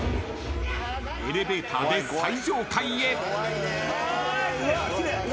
［エレベーターで最上階へ］